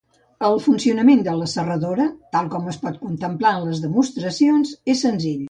El funcionament de la serradora, tal com es pot contemplar en les demostracions, és senzill.